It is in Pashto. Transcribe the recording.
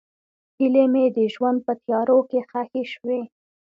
هیلې مې د ژوند په تیارو کې ښخې شوې.